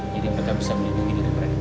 jadi mereka bisa melindungi diri mereka